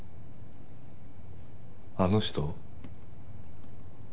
あの人？